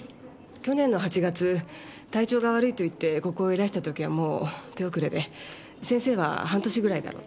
去年の８月体調が悪いと言ってここへいらした時はもう手遅れで先生は半年ぐらいだろうって。